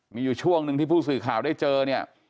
มีอยู่ช่วงหนึ่งที่ผู้สื่อข่าวได้เจอเนี่ย